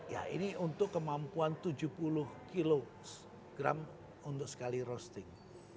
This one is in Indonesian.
ya ini untuk kemampuan tujuh puluh kg untuk sekali roasting